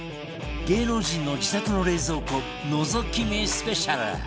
芸能人の自宅の冷蔵庫のぞき見スペシャル